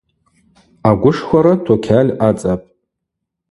Агвышхвара токьаль ацӏапӏ.